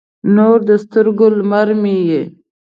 نور د سترګو، لمر مې یې